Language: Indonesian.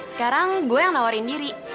sekarang gue yang nawarin diri